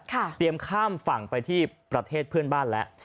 เตรียมข้ามฝั่งไปที่ประเทศเพื่อนบ้านแล้ว